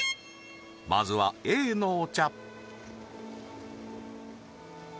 まずはＡのお茶